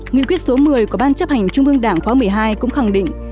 nghị quyết số một mươi của ban chấp hành trung ương đảng khóa một mươi hai cũng khẳng định